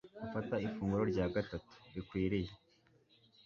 gufata ifunguro rya gatatu, rikwiriye